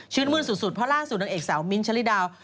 ชื่อนมือนสุดพระล่าสุดนังเอกสาวมิ้นท์ชะลิดาว